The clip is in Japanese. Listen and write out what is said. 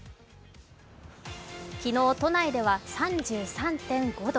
昨日、都内では３３．５度。